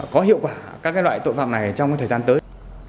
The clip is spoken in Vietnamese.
có hiệu quả các loại tội phạm này trong thời gian tới